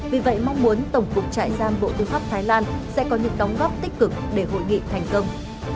vì vậy mong muốn tổng cục trại giam bộ tư pháp thái lan sẽ có những đóng góp tích cực để hội nghị thành công